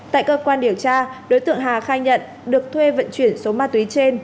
tại cơ quan điều tra đối tượng hà khai nhận được thuê vận chuyển số ma túy trên